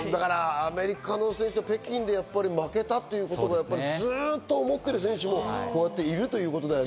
アメリカの選手は北京で負けたということをずっと思っている選手もこうやっているってことだね。